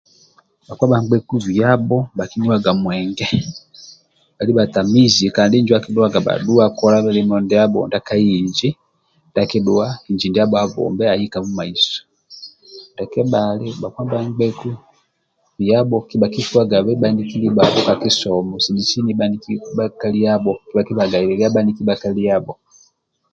Bhakpa bhangbeku biabho bhakinuwaga mwenge bhali bhatamizi kandi injo adhuwaga bhaduwa kola mulimo ndiabho ndia ka inji ndia akidhuwa inji ndiabo abombe aye ka mumaiso ndia kebhali bhakpa bhangbeku biabho kebha kifuagabe bhaniki ndibhabho ka kisomo sini sini bhaniki bhakaliabho kabha kibalaga helelelia bhaniki bhakaliabho